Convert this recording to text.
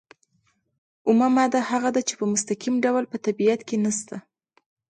اومه ماده هغه ده چې په مستقیم ډول په طبیعت کې نشته.